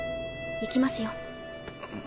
行きますよ。